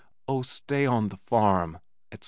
Oh, stay on the farm, etc.